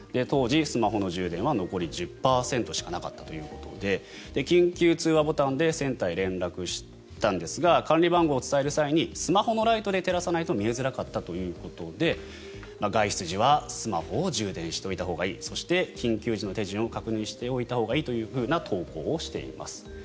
当時、スマホの充電は残り１０％しかなかったということで緊急通話ボタンでセンターへ連絡したんですが管理番号を伝える際にスマホのライトで照らさないと見えづらかったということで外出時はスマホを充電しておいたほうがいいそして、緊急時の手順を確認しておいたほうがいいという投稿をしています。